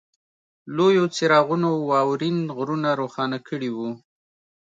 لویو څراغونو واورین غرونه روښانه کړي وو